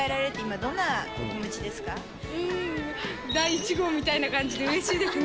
第１号みたいな感じで、うれしいですね。